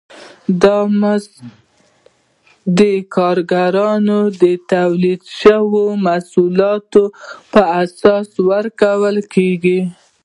دا مزد د کارګر د تولید شویو محصولاتو پر اساس ورکول کېږي